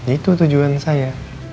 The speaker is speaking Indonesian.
itu tujuan saya